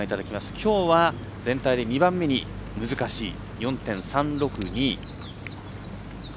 きょうは全体で２番目に難しい４．３６２。